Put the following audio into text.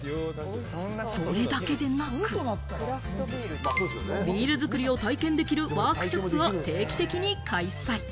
それだけでなく、ビール造りを体験できるワークショップを定期的に開催。